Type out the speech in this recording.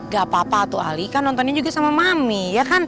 gapapa tuh ali kan nontonnya juga sama mami ya kan